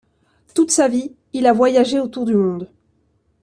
Toute sa vie il a voyagé autour du monde.